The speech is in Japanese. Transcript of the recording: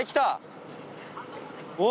お！